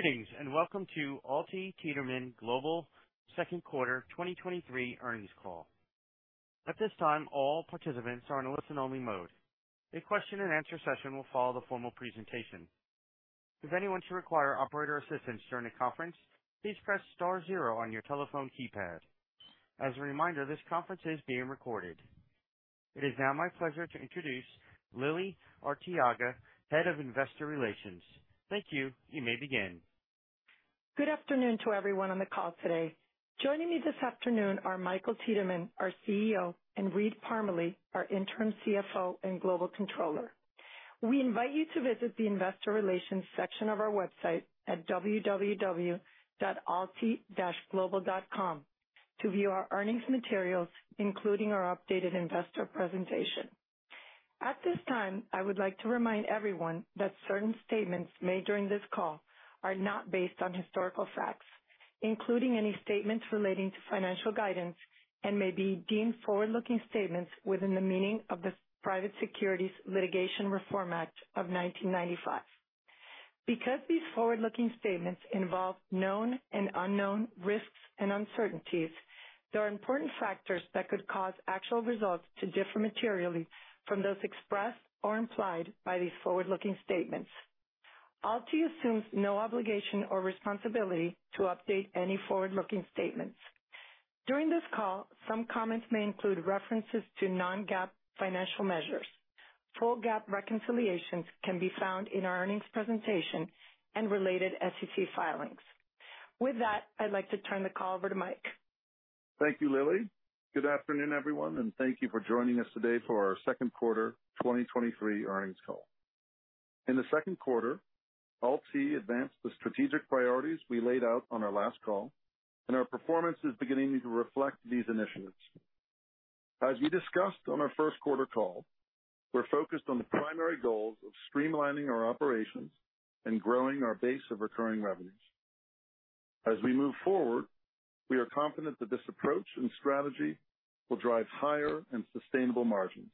Greetings, and welcome to AlTi Tiedemann Global Second Quarter 2023 Earnings Call. At this time, all participants are in a listen-only mode. A question and answer session will follow the formal presentation. If anyone should require operator assistance during the conference, please press star zero on your telephone keypad. As a reminder, this conference is being recorded. It is now my pleasure to introduce Lily Arteaga, Head of Investor Relations. Thank you. You may begin. Good afternoon to everyone on the call today. Joining me this afternoon are Michael Tiedemann, our CEO, and Reid Parmelee, our Interim CFO and Global Controller. We invite you to visit the investor relations section of our website at www.alti-global.com to view our earnings materials, including our updated investor presentation. At this time, I would like to remind everyone that certain statements made during this call are not based on historical facts, including any statements relating to financial guidance, and may be deemed forward-looking statements within the meaning of the Private Securities Litigation Reform Act of 1995. Because these forward-looking statements involve known and unknown risks and uncertainties, there are important factors that could cause actual results to differ materially from those expressed or implied by these forward-looking statements. AlTi assumes no obligation or responsibility to update any forward-looking statements. During this call, some comments may include references to non-GAAP financial measures. Full GAAP reconciliations can be found in our earnings presentation and related SEC filings. With that, I'd like to turn the call over to Mike. Thank you, Lily. Good afternoon, everyone, thank you for joining us today for our second quarter 2023 earnings call. In the second quarter, AlTi advanced the strategic priorities we laid out on our last call, and our performance is beginning to reflect these initiatives. As we discussed on our first quarter call, we're focused on the primary goals of streamlining our operations and growing our base of recurring revenues. As we move forward, we are confident that this approach and strategy will drive higher and sustainable margins.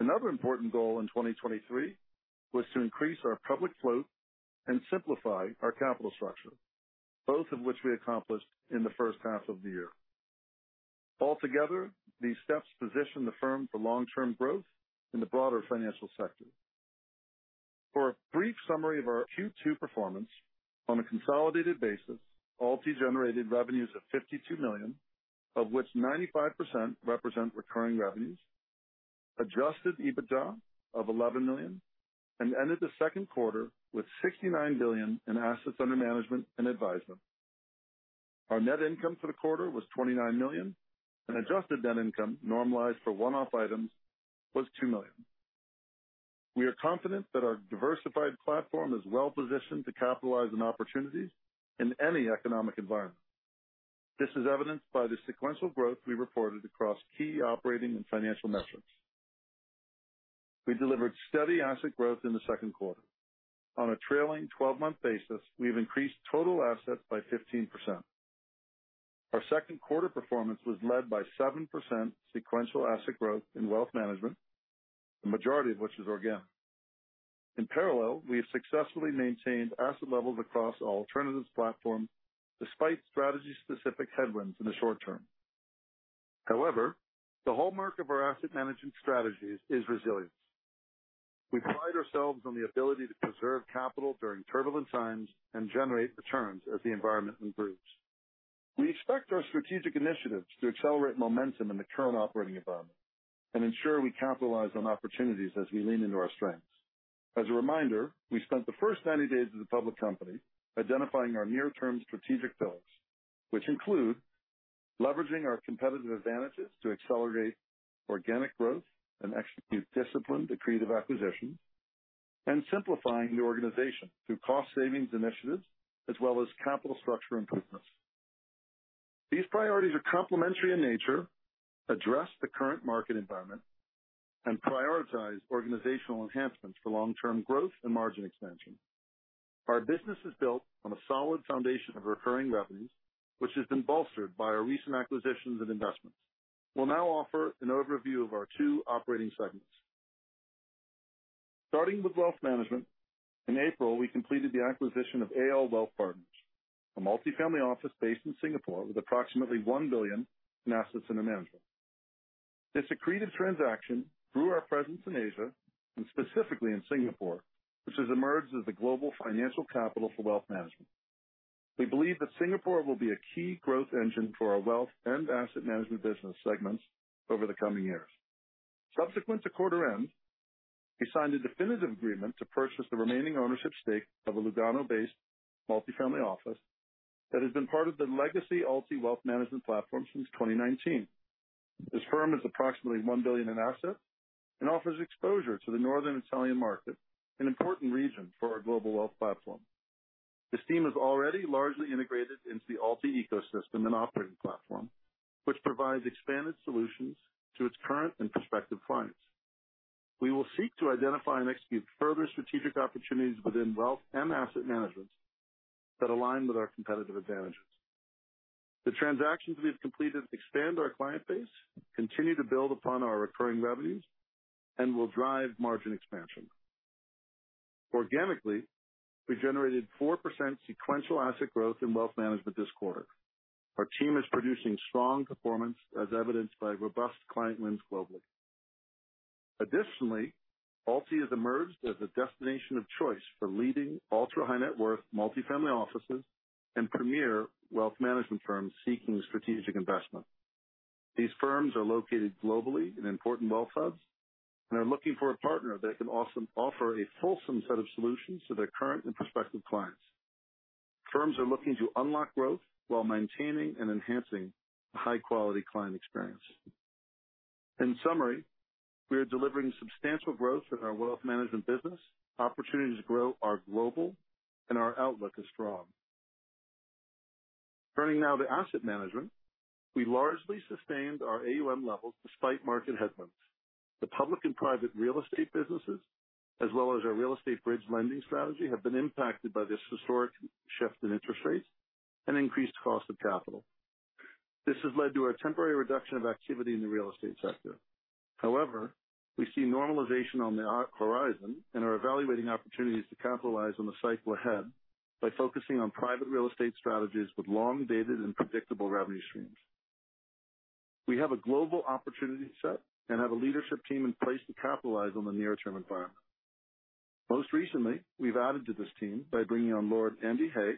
Another important goal in 2023 was to increase our public float and simplify our capital structure, both of which we accomplished in the first half of the year. Altogether, these steps position the firm for long-term growth in the broader financial sector. For a brief summary of our Q2 performance, on a consolidated basis, AlTi generated revenues of $52 million, of which 95% represent recurring revenues, adjusted EBITDA of $11 million, and ended the second quarter with $69 billion in assets under management and advisement. Our net income for the quarter was $29 million, and adjusted net income, normalized for one-off items, was $2 million. We are confident that our diversified platform is well positioned to capitalize on opportunities in any economic environment. This is evidenced by the sequential growth we reported across key operating and financial metrics. We delivered steady asset growth in the second quarter. On a trailing 12-month basis, we've increased total assets by 15%. Our second quarter performance was led by 7% sequential asset growth in wealth management, the majority of which is organic. In parallel, we have successfully maintained asset levels across alternatives platform, despite strategy-specific headwinds in the short term. However, the hallmark of our asset management strategies is resilience. We pride ourselves on the ability to preserve capital during turbulent times and generate returns as the environment improves. We expect our strategic initiatives to accelerate momentum in the current operating environment and ensure we capitalize on opportunities as we lean into our strengths. As a reminder, we spent the first 90 days as a public company identifying our near-term strategic pillars, which include leveraging our competitive advantages to accelerate organic growth and execute disciplined accretive acquisitions, and simplifying the organization through cost savings initiatives, as well as capital structure improvements. These priorities are complementary in nature, address the current market environment, and prioritize organizational enhancements for long-term growth and margin expansion. Our business is built on a solid foundation of recurring revenues, which has been bolstered by our recent acquisitions and investments. We'll now offer an overview of our two operating segments. Starting with wealth management, in April, we completed the acquisition of AL Wealth Partners, a multifamily office based in Singapore with approximately $1 billion in assets under management. This accretive transaction grew our presence in Asia and specifically in Singapore, which has emerged as the global financial capital for wealth management. We believe that Singapore will be a key growth engine for our wealth and asset management business segments over the coming years. Subsequent to quarter end, we signed a definitive agreement to purchase the remaining ownership stake of a Lugano-based multifamily office that has been part of the legacy AlTi wealth management platform since 2019. This firm is approximately $1 billion in assets and offers exposure to the northern Italian market, an important region for our global wealth platform. This team is already largely integrated into the AlTi ecosystem and operating platform, which provides expanded solutions to its current and prospective clients. We will seek to identify and execute further strategic opportunities within wealth and asset management that align with our competitive advantages. The transactions we've completed expand our client base, continue to build upon our recurring revenues, and will drive margin expansion. Organically, we generated 4% sequential asset growth in wealth management this quarter. Our team is producing strong performance, as evidenced by robust client wins globally. Additionally, AlTi has emerged as a destination of choice for leading ultra-high net worth multifamily offices and premier wealth management firms seeking strategic investment. These firms are located globally in important wealth hubs and are looking for a partner that can also offer a fulsome set of solutions to their current and prospective clients. Firms are looking to unlock growth while maintaining and enhancing a high-quality client experience. In summary, we are delivering substantial growth in our wealth management business. Opportunities to grow are global and our outlook is strong. Turning now to asset management. We largely sustained our AUM levels despite market headwinds. The public and private real estate businesses, as well as our real estate bridge lending strategy, have been impacted by this historic shift in interest rates and increased cost of capital. This has led to a temporary reduction of activity in the real estate sector. However, we see normalization on the horizon and are evaluating opportunities to capitalize on the cycle ahead by focusing on private real estate strategies with long-dated and predictable revenue streams. We have a global opportunity set and have a leadership team in place to capitalize on the near-term environment. Most recently, we've added to this team by bringing on Lord Andrew Hay,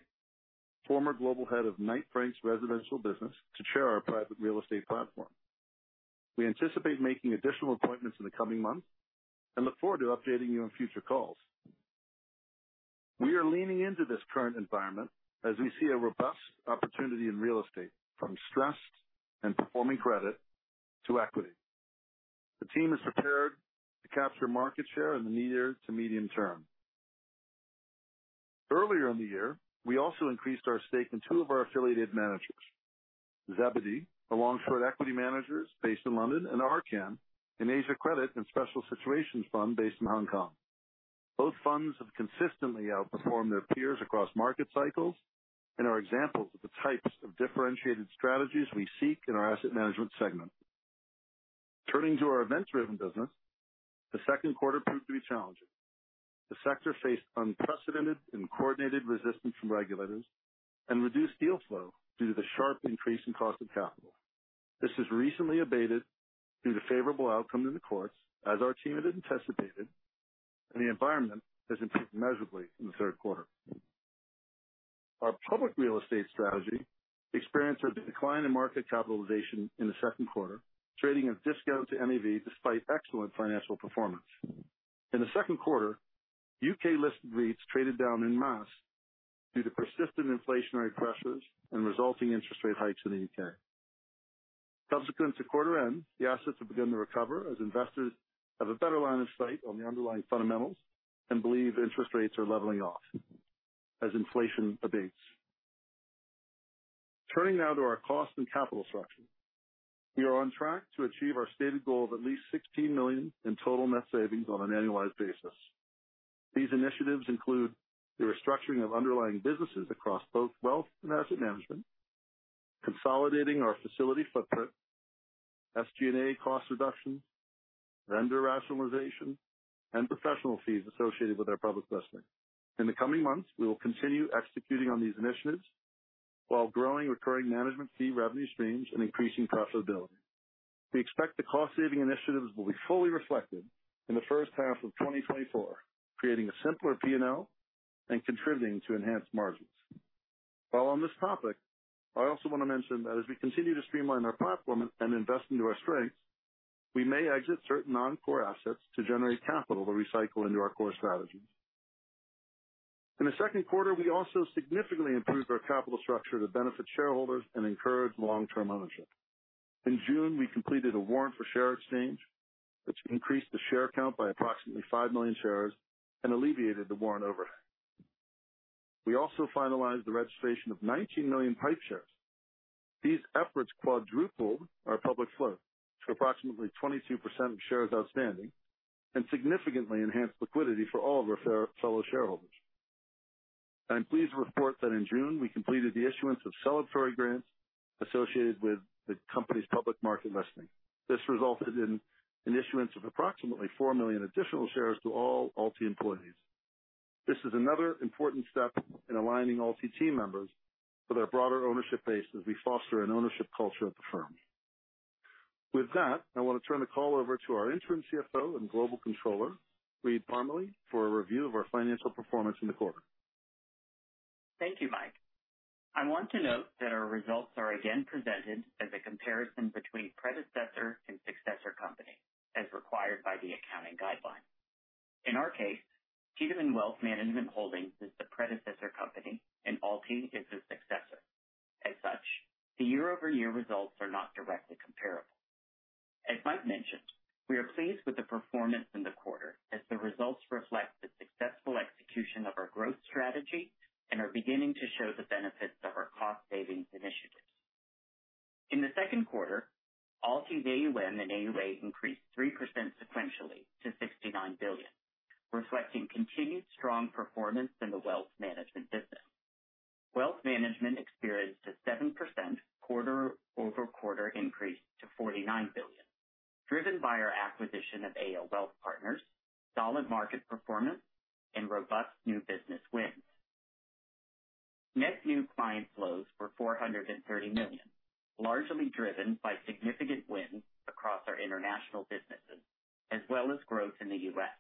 former Global Head of Knight Frank's residential business, to chair our private real estate platform. We anticipate making additional appointments in the coming months and look forward to updating you on future calls. We are leaning into this current environment as we see a robust opportunity in real estate, from stressed and performing credit to equity. The team is prepared to capture market share in the near to medium term. Earlier in the year, we also increased our stake in two of our affiliated managers, Zebedee, a long-short equity managers based in London, and Arkkan, an Asia Credit and special situations fund based in Hong Kong. Both funds have consistently outperformed their peers across market cycles and are examples of the types of differentiated strategies we seek in our asset management segment. Turning to our events-driven business, the second quarter proved to be challenging. The sector faced unprecedented and coordinated resistance from regulators and reduced deal flow due to the sharp increase in cost of capital. This has recently abated through the favorable outcome in the courts, as our team had anticipated, and the environment has improved measurably in the third quarter. Our public real estate strategy experienced a decline in market capitalization in the second quarter, trading at a discount to NAV despite excellent financial performance. In the second quarter, U.K.-listed REITs traded down en masse due to persistent inflationary pressures and resulting interest rate hikes in the U.K. Consequent to quarter end, the assets have begun to recover as investors have a better line of sight on the underlying fundamentals and believe interest rates are leveling off as inflation abates. Turning now to our cost and capital structure. We are on track to achieve our stated goal of at least $16 million in total net savings on an annualized basis. These initiatives include the restructuring of underlying businesses across both wealth and asset management, consolidating our facility footprint, SG&A cost reduction, vendor rationalization, and professional fees associated with our public listing. In the coming months, we will continue executing on these initiatives while growing recurring management fee revenue streams and increasing profitability. We expect the cost-saving initiatives will be fully reflected in the first half of 2024, creating a simpler P&L and contributing to enhanced margins. While on this topic, I also want to mention that as we continue to streamline our platform and invest into our strengths, we may exit certain non-core assets to generate capital to recycle into our core strategies. In the second quarter, we also significantly improved our capital structure to benefit shareholders and encourage long-term ownership. In June, we completed a warrant for share exchange, which increased the share count by approximately 5 million shares and alleviated the warrant overhead. We also finalized the registration of 19 million PIPE shares. These efforts quadrupled our public float to approximately 22% of shares outstanding and significantly enhanced liquidity for all of our fair- fellow shareholders. I'm pleased to report that in June, we completed the issuance of celebratory grants associated with the company's public market listing. This resulted in an issuance of approximately 4 million additional shares to all AlTi employees. This is another important step in aligning AlTi team members with our broader ownership base as we foster an ownership culture at the firm. With that, I want to turn the call over to our Interim CFO and Global Controller, Reid Parmelee, for a review of our financial performance in the quarter. Thank you, Mike. I want to note that our results are again presented as a comparison between predecessor and successor company, as required by the accounting guidelines. In our case, Tiedemann Wealth Management Holdings is the predecessor company and AlTi is the successor. As such, the year-over-year results are not directly comparable. As Mike mentioned, we are pleased with the performance in the quarter, as the results reflect the successful execution of our growth strategy and are beginning to show the benefits of our cost savings initiatives.... In the second quarter, AlTi's AUM and AUA increased 3% sequentially to $69 billion, reflecting continued strong performance in the wealth management business. Wealth management experienced a 7% quarter-over-quarter increase to $49 billion, driven by our acquisition of AL Wealth Partners, solid market performance, and robust new business wins. Net new client flows were $430 million, largely driven by significant wins across our international businesses, as well as growth in the U.S.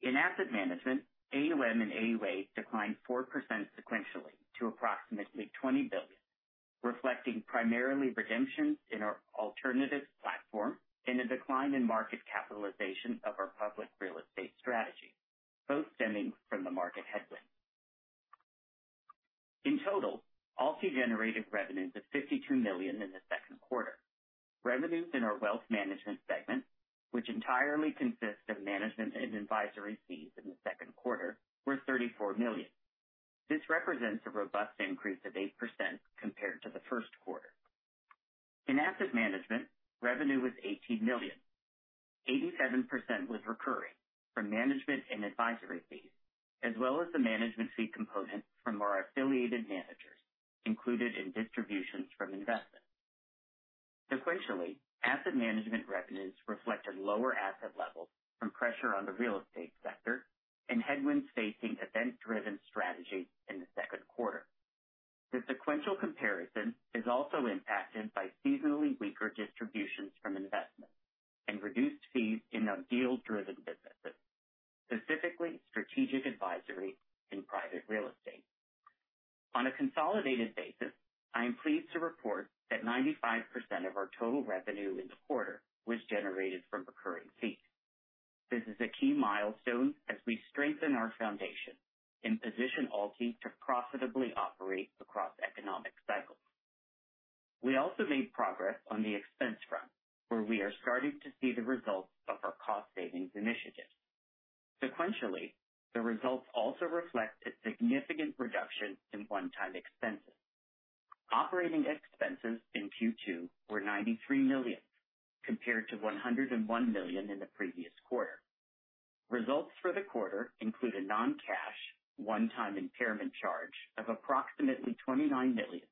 In asset management, AUM and AUA declined 4% sequentially to approximately $20 billion, reflecting primarily redemptions in our alternative platform and a decline in market capitalization of our public real estate strategy, both stemming from the market headwind. In total, AlTi generated revenues of $52 million in the second quarter. Revenues in our wealth management segment, which entirely consists of management and advisory fees in the second quarter, were $34 million. This represents a robust increase of 8% compared to the first quarter. In asset management, revenue was $18 million. 87% was recurring from management and advisory fees, as well as the management fee component from our affiliated managers included in distributions from investments. Sequentially, asset management revenues reflect a lower asset level from pressure on the real estate sector and headwinds facing event-driven strategies in the second quarter. The sequential comparison is also impacted by seasonally weaker distributions from investments and reduced fees in our deal-driven businesses, specifically strategic advisory and private real estate. On a consolidated basis, I am pleased to report that 95% of our total revenue in the quarter was generated from recurring fees. This is a key milestone as we strengthen our foundation and position AlTi to profitably operate across economic cycles. We also made progress on the expense front, where we are starting to see the results of our cost savings initiatives. Sequentially, the results also reflect a significant reduction in one-time expenses. Operating expenses in Q2 were $93 million, compared to $101 million in the previous quarter. Results for the quarter include a non-cash, one-time impairment charge of approximately $29 million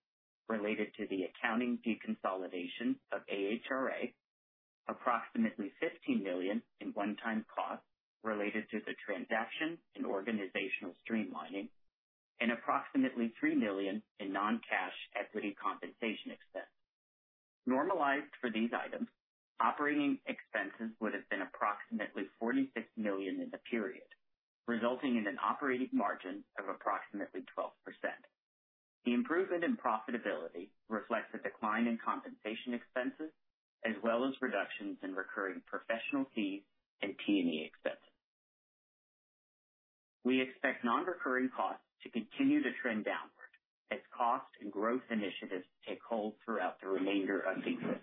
related to the accounting deconsolidation of AHRA, approximately $15 million in one-time costs related to the transaction and organizational streamlining, and approximately $3 million in non-cash equity compensation expense. Normalized for these items, operating expenses would have been approximately $46 million in the period, resulting in an operating margin of approximately 12%. The improvement in profitability reflects a decline in compensation expenses, as well as reductions in recurring professional fees and T&E expenses. We expect non-recurring costs to continue to trend downward as cost and growth initiatives take hold throughout the remainder of the year.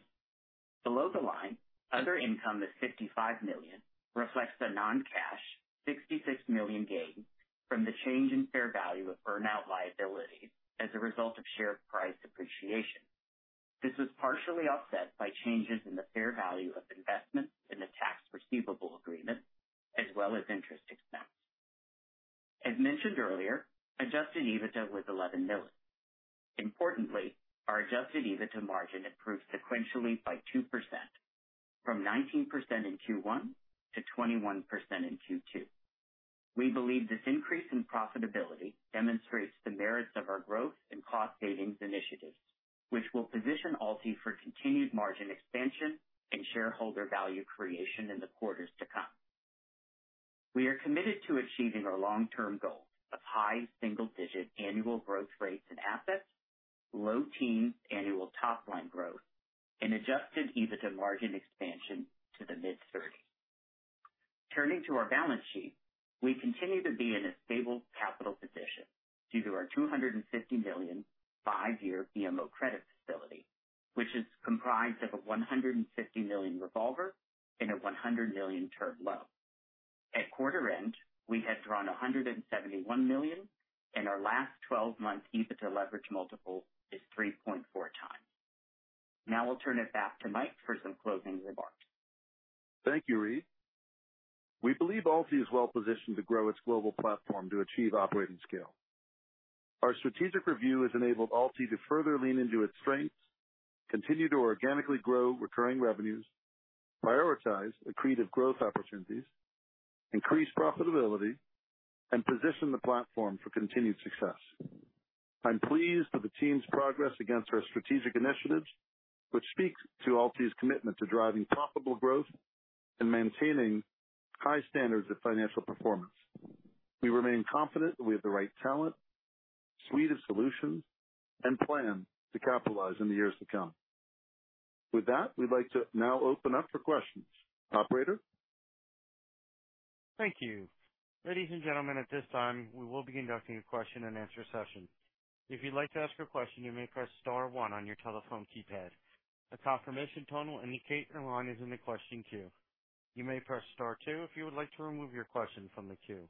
Below the line, other income of $55 million reflects a non-cash $66 million gain from the change in fair value of earn-out liability as a result of share price depreciation. This was partially offset by changes in the fair value of investments in the tax receivable agreement, as well as interest expense. As mentioned earlier, adjusted EBITDA was $11 million. Importantly, our adjusted EBITDA margin improved sequentially by 2%, from 19% in Q1 to 21% in Q2. We believe this increase in profitability demonstrates the merits of our growth and cost savings initiatives, which will position AlTi for continued margin expansion and shareholder value creation in the quarters to come. We are committed to achieving our long-term goals of high single-digit annual growth rates in assets, low-teens annual top line growth, and adjusted EBITDA margin expansion to the mid-30s. Turning to our balance sheet, we continue to be in a stable capital position due to our $250 million five-year BMO credit facility, which is comprised of a $150 million revolver and a $100 million term loan. At quarter end, we had drawn $171 million, and our last 12 months EBITDA leverage multiple is 3.4x. Now I'll turn it back to Mike for some closing remarks. Thank you, Reid. We believe AlTi is well positioned to grow its global platform to achieve operating scale. Our strategic review has enabled AlTi to further lean into its strengths, continue to organically grow recurring revenues, prioritize accretive growth opportunities, increase profitability, and position the platform for continued success. I'm pleased with the team's progress against our strategic initiatives, which speaks to AlTi's commitment to driving profitable growth and maintaining high standards of financial performance. We remain confident that we have the right talent, suite of solutions, and plan to capitalize in the years to come. With that, we'd like to now open up for questions. Operator? Thank you. Ladies and gentlemen, at this time, we will be conducting a question-and-answer session. If you'd like to ask a question, you may press star one on your telephone keypad. A confirmation tone will indicate your line is in the question queue. You may press star two if you would like to remove your question from the queue....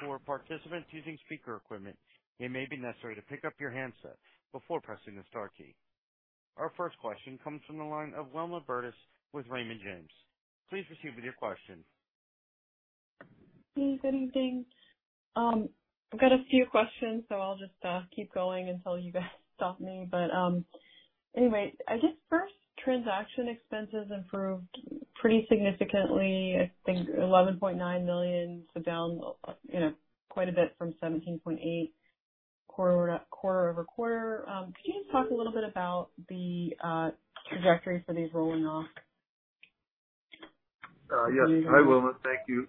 For participants using speaker equipment, it may be necessary to pick up your handset before pressing the star key. Our first question comes from the line of Wilma Burdis with Raymond James. Please proceed with your question. Hey, good evening. I've got a few questions, so I'll just keep going until you guys stop me. Anyway, I guess first, transaction expenses improved pretty significantly, I think $11.9 million, so down, you know, quite a bit from $17.8 quarter, quarter-over-quarter. Can you just talk a little bit about the trajectory for these rolling off? Yes. Hi, Wilma. Thank you.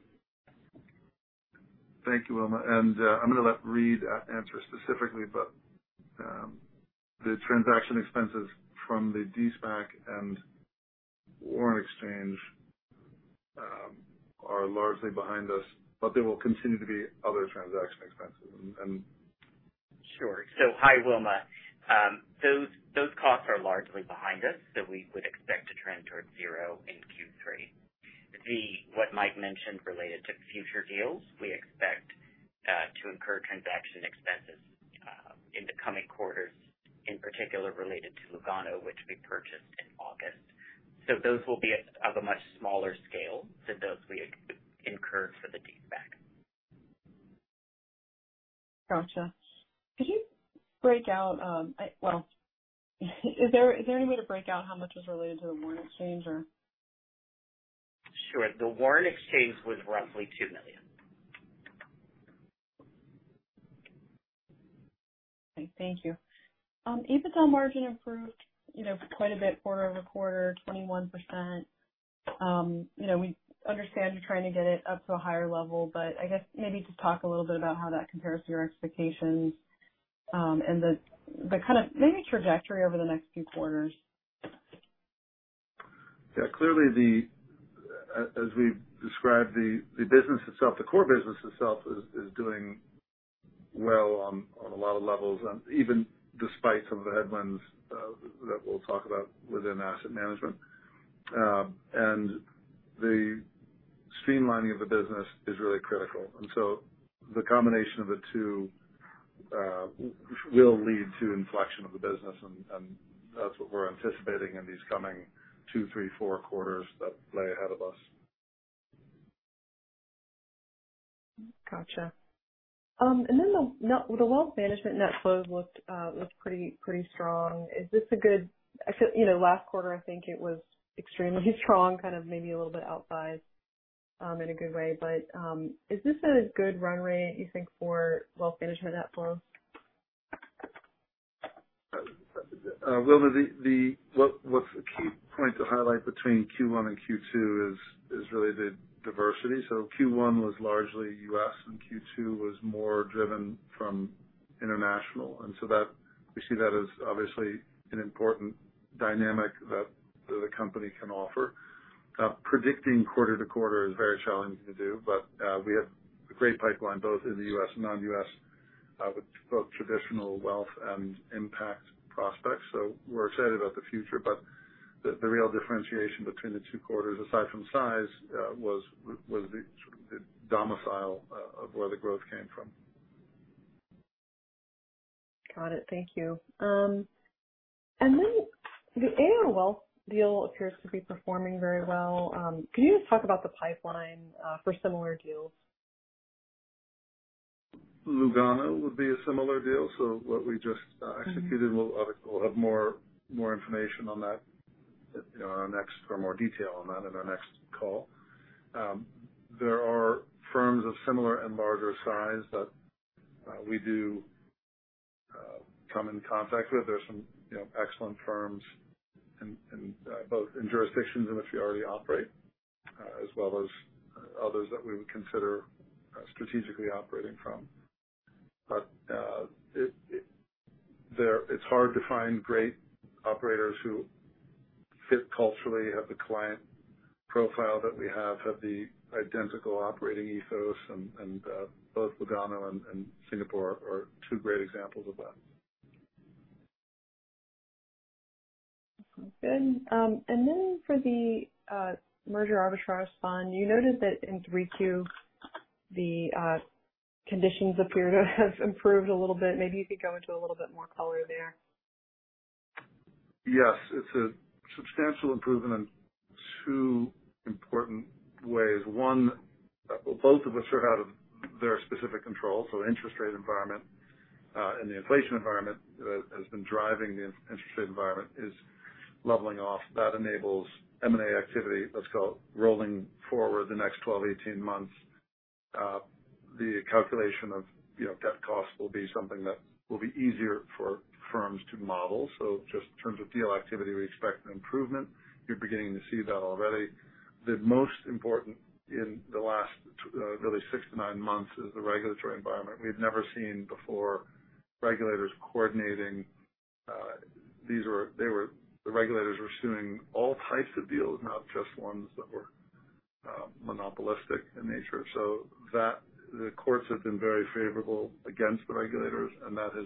Thank you, Wilma. I'm going to let Reid answer specifically, but the transaction expenses from the de-SPAC and warrant exchange are largely behind us, but there will continue to be other transaction expenses. Sure. Hi, Wilma. Those, those costs are largely behind us, we would expect to trend towards zero in Q3. What Mike mentioned related to future deals, we expect to incur transaction expenses in the coming quarters, in particular related to Lugano, which we purchased in August. Those will be at, of a much smaller scale than those we incurred for the de-SPAC. Gotcha. Could you break out, Well, is there, is there any way to break out how much was related to the warrant exchange, or? Sure. The warrant exchange was roughly $2 million. Okay. Thank you. EBITDA margin improved, you know, quite a bit quarter-over-quarter, 21%. You know, we understand you're trying to get it up to a higher level, but I guess maybe just talk a little bit about how that compares to your expectations, and the, the kind of maybe trajectory over the next few quarters. Yeah, clearly the, as we've described, the, the business itself, the core business itself is, is doing well on, on a lot of levels, and even despite some of the headwinds, that we'll talk about within asset management. The streamlining of the business is really critical, so the combination of the two will lead to inflection of the business, and that's what we're anticipating in these coming two, three, four quarters that lay ahead of us. Gotcha. Then the wealth management net flow looked pretty, pretty strong. I feel, you know, last quarter, I think it was extremely strong, kind of maybe a little bit outsized, in a good way. Is this a good runway, you think, for wealth management net flow? Wilma, the key point to highlight between Q1 and Q2 is really the diversity. Q1 was largely US and Q2 was more driven from international, and so that we see that as obviously an important dynamic that the company can offer. Predicting quarter-to-quarter is very challenging to do, but we have a great pipeline, both in the U.S. and non-U.S., with both traditional wealth and impact prospects. We're excited about the future. The real differentiation between the two quarters, aside from size, was the domicile of where the growth came from. Got it. Thank you. The AL Wealth deal appears to be performing very well. Can you just talk about the pipeline for similar deals? Lugano would be a similar deal. What we just executed. Mm-hmm. we'll have, we'll have more, more information on that, you know, in our next, or more detail on that in our next call. There are firms of similar and larger size that we do come in contact with. There are some, you know, excellent firms in, in both in jurisdictions in which we already operate, as well as others that we would consider strategically operating from. It's hard to find great operators who fit culturally, have the client profile that we have, have the identical operating ethos, and, and both Lugano and Singapore are, are two great examples of that. Good. Then for the merger Arbitrage fund, you noted that in 3Q, the conditions appear to have improved a little bit. Maybe you could go into a little bit more color there? Yes, it's a substantial improvement in two important ways. One, well, both of which are out of their specific control. Interest rate environment and the inflation environment has been driving the interest rate environment is leveling off. That enables M&A activity, let's call it, rolling forward the next 12, 18 months. The calculation of, you know, debt costs will be something that will be easier for firms to model. Just in terms of deal activity, we expect an improvement. You're beginning to see that already. The most important in the last, really six to nine months is the regulatory environment. We've never seen before regulators coordinating. These were, the regulators were suing all types of deals, not just ones that were monopolistic in nature. That, the courts have been very favorable against the regulators, and that has.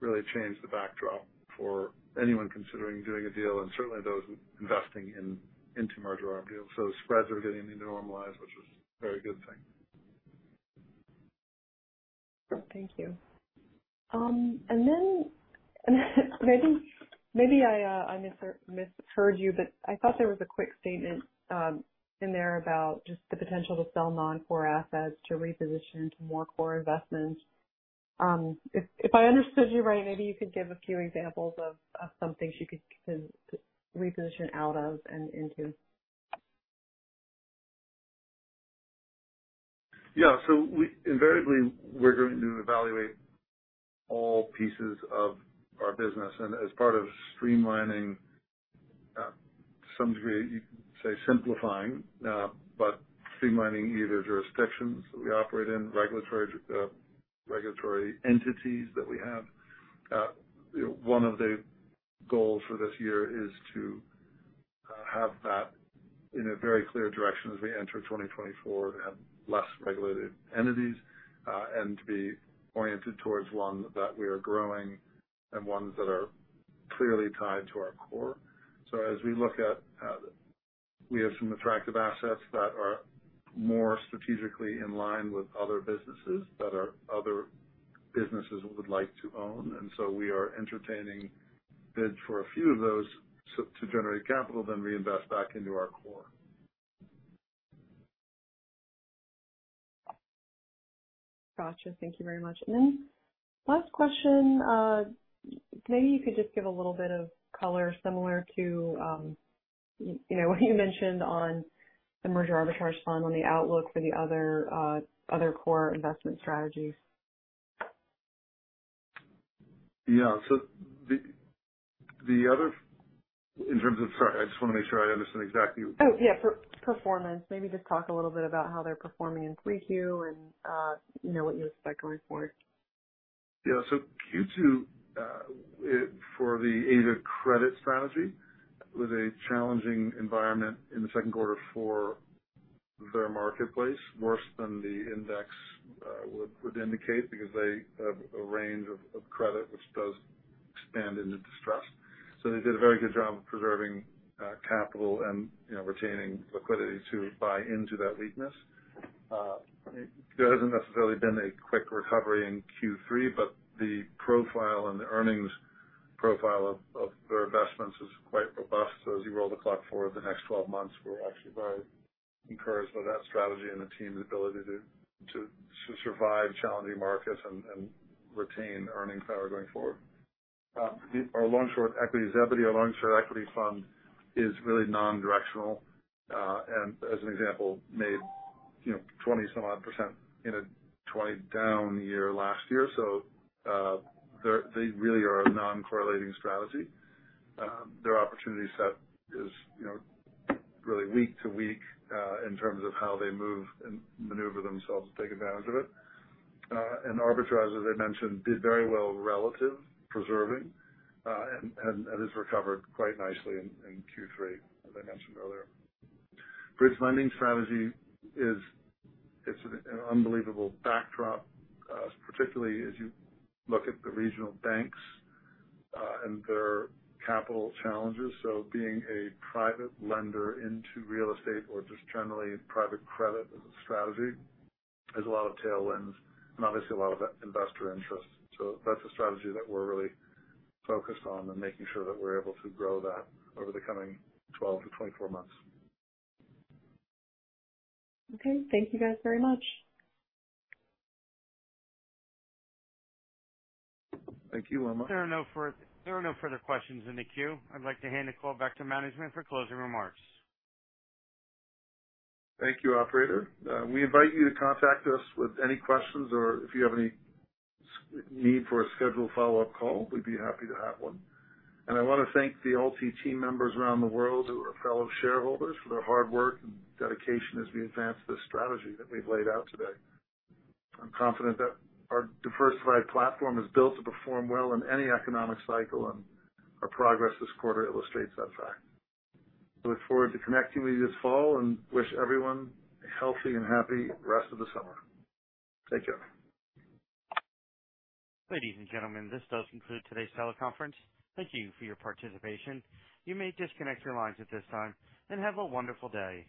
really changed the backdrop for anyone considering doing a deal, and certainly those investing in, into merger arb deals. spreads are getting to normalize, which is a very good thing. Thank you. Maybe I misheard you, but I thought there was a quick statement in there about just the potential to sell non-core assets to reposition to more core investments. If I understood you right, maybe you could give a few examples of some things you could reposition out of and into. Yeah, invariably, we're going to evaluate all pieces of our business. As part of streamlining, to some degree, you could say simplifying, but streamlining either jurisdictions that we operate in, regulatory, regulatory entities that we have. You know, one of the goals for this year is to have that in a very clear direction as we enter 2024, to have less regulated entities, and to be oriented towards one that we are growing and ones that are clearly tied to our core. We have some attractive assets that are more strategically in line with other businesses that other businesses would like to own, and so we are entertaining bids for a few of those so to generate capital, then reinvest back into our core. Gotcha. Thank you very much. Then last question, maybe you could just give a little bit of color similar to, you know, what you mentioned on the merger arbitrage fund on the outlook for the other, other core investment strategies. Yeah. Sorry, I just want to make sure I understand exactly. Oh, yeah. Per-performance. Maybe just talk a little bit about how they're performing in Q2 and, you know, what you expect going forward. Yeah. Q2, it for the Asia Credit strategy, was a challenging environment in the second quarter for their marketplace, worse than the index, would indicate, because they have a range of, of credit which does expand into distress. They did a very good job of preserving, capital and, you know, retaining liquidity to buy into that weakness. There hasn't necessarily been a quick recovery in Q3, but the profile and the earnings profile of, of their investments is quite robust. As you roll the clock forward, the next 12 months, we're actually very encouraged by that strategy and the team's ability to survive challenging markets and, and retain earnings power going forward. Our long short equity, Zebedee, our long short equity fund is really non-directional. As an example, made, you know, 20 some odd percent in a 20 down year last year. They're, they really are a non-correlating strategy. Their opportunity set is, you know, really week-to-week, in terms of how they move and maneuver themselves to take advantage of it. Arbitrage, as I mentioned, did very well, relative preserving, and, and, has recovered quite nicely in Q3, as I mentioned earlier. Bridge Lending strategy is. It's an unbelievable backdrop, particularly as you look at the regional banks, and their capital challenges. Being a private lender into real estate or just generally private credit as a strategy, there's a lot of tailwinds and obviously a lot of investor interest. That's a strategy that we're really focused on and making sure that we're able to grow that over the coming 12-24 months. Okay. Thank you guys very much. Thank you, Emma. There are no further questions in the queue. I'd like to hand the call back to management for closing remarks. Thank you, Operator. We invite you to contact us with any questions, or if you have any need for a scheduled follow-up call, we'd be happy to have one. I want to thank the all the team members around the world who are fellow shareholders, for their hard work and dedication as we advance this strategy that we've laid out today. I'm confident that our diversified platform is built to perform well in any economic cycle, and our progress this quarter illustrates that fact. I look forward to connecting with you this fall, and wish everyone a healthy and happy rest of the summer. Take care. Ladies and gentlemen, this does conclude today's teleconference. Thank you for your participation. You may disconnect your lines at this time and have a wonderful day.